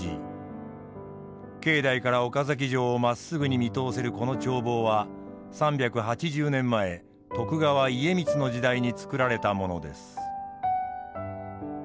境内から岡崎城をまっすぐに見通せるこの眺望は３８０年前徳川家光の時代につくられたものです。